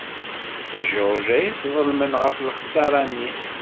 D George ay sḍelmen ɣef lexṣara-nni.